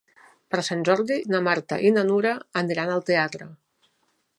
Per Sant Jordi na Marta i na Nura aniran al teatre.